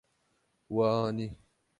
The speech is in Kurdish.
We anî.